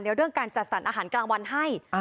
เรื่องการจัดสรรอาหารกลางวันให้